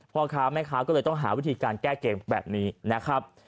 พ่อค้าแม่ค้าก็เลยต้องหาวิธีการแก้เกมแบบนี้นะครับ